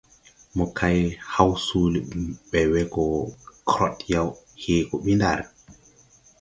Mo kay haw soole ɓe we go krod yaw, hee gɔ ɓi ndar.